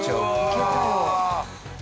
いけたよ。